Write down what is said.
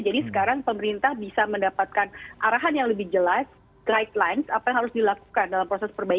jadi sekarang pemerintah bisa mendapatkan arahan yang lebih jelas guidelines apa yang harus dilakukan dalam proses perbaikan